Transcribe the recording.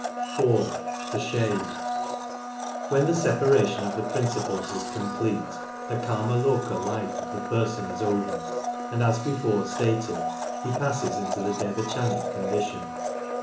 4. The Shade, When the separation of the principles is 3 34 complete, the Kamaloka life of the person is over, and, as before stated, he passes into the devachanic condition.